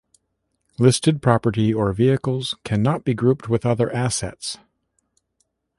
Listed property or vehicles cannot be grouped with other assets.